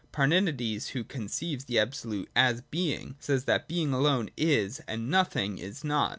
Parmenides, who conceives the absolute as Being says that ' Being alone is and Nothing is not.'